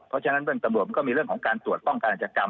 เพราะฉะนั้นเรื่องตำรวจมันก็มีเรื่องของการตรวจป้องกันอาจกรรม